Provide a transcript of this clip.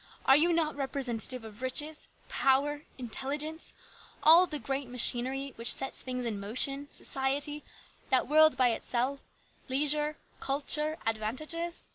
Are you not representative of riches, power, intelligence, all the great machinery which sets things in motion, society, that world by itself, leisure, culture, advantages